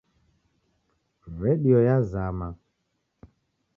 Redio yazama